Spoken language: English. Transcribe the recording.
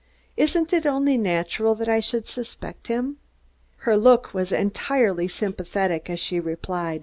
Isn't it only natural that I should suspect him?" Her look was entirely sympathetic as she replied.